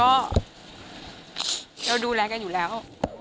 เราดูแลกันอยู่แล้ว